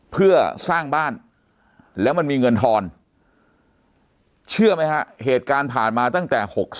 เพื่อสร้างบ้านแล้วมันมีเงินทอนเชื่อไหมฮะเหตุการณ์ผ่านมาตั้งแต่๖๓